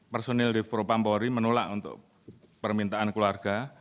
personil di propam bori menolak untuk permintaan keluarga